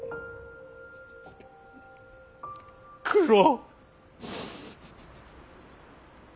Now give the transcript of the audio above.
九郎！